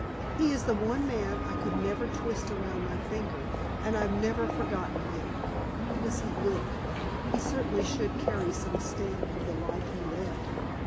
He is the one man I never could twist around my finger and I've never forgotten him. How does he look? He certainly should carry some stamp of the life he led."